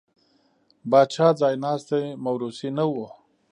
پاچا ځایناستی مورثي نه و.